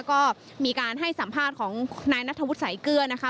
ก็มีการให้สัมภาษณ์ของนายนัทธวุฒิสายเกลือนะคะ